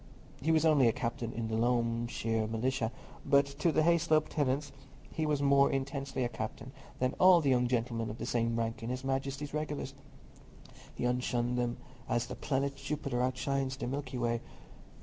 He was only a captain in the Loamshire Militia, but to the Hayslope tenants he was more intensely a captain than all the young gentlemen of the same rank in his Majesty's regulars—he outshone them as the planet Jupiter outshines the Milky Way.